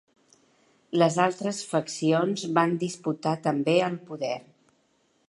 Les altres faccions van disputar també el poder.